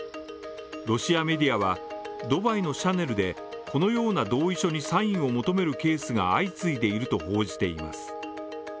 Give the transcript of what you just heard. ロシアメディアはドバイのシャネルで、このような同意書にサインを求めるケースが相次いでいると報じています。